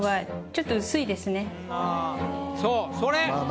そうそれ。